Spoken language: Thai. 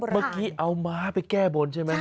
เมื่อกี้เอาม้าไปแก้บนใช่ไหม